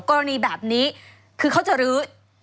กรณีแบบนี้คือเขาจะลื้อ